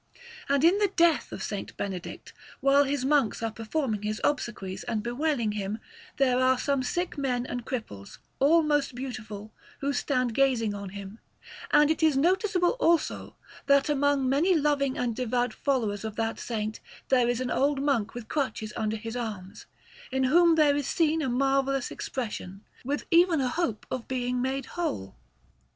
And in the death of S. Benedict, while his monks are performing his obsequies and bewailing him, there are some sick men and cripples, all most beautiful, who stand gazing on him; and it is noticeable, also, that among many loving and devout followers of that Saint there is an old monk with crutches under his arms, in whom there is seen a marvellous expression, with even a hope of being made whole.